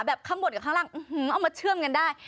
ข้างบนกับข้างล่างเอามาเชื่อมกันได้